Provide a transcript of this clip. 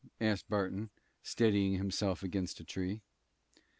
asked Barton, steadying himself against a tree.